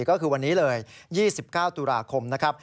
ก็คือวันนี้เลย๒๙ตุลาคมนะครับ